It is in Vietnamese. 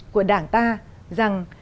của đảng ta rằng